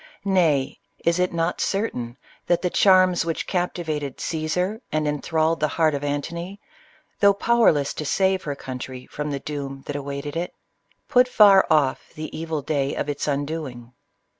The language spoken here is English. Nay, — is it not certain, that the charms which captiva ted Ca?sar and enthralled the heart of Antony, though powerless to save her country from the doom that awaited it, put far off the evil day of its undoing?